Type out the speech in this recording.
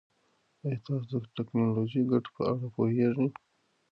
ایا تاسو د ټکنالوژۍ د ګټو په اړه پوهېږئ؟